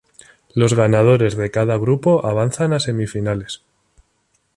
Los ganadores de cada grupo avanzan a semifinales.